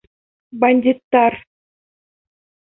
Бандиттар!